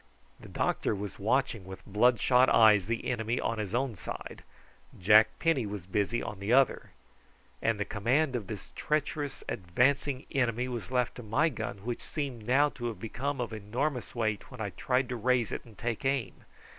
The doctor was watching with bloodshot eyes the enemy on his own side, Jack Penny was busy on the other, and the command of this treacherous advancing enemy was left to my gun, which seemed now to have become of enormous weight when I tried to raise it and take aim.